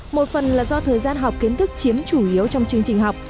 một phần là do thời gian học kiến thức chiếm chủ yếu trong chương trình học